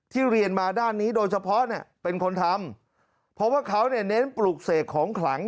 เรียนมาด้านนี้โดยเฉพาะเนี่ยเป็นคนทำเพราะว่าเขาเนี่ยเน้นปลูกเสกของขลัง